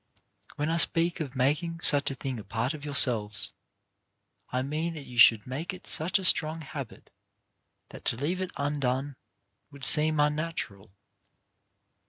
When I speak of making such a thing a part of yourselves, I mean that you should make it such a strong habit that to leave it undone would seem unnatural.